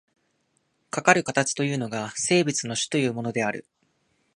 かかる形というのが、生物の種というものである。